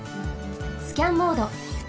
スキャンモード。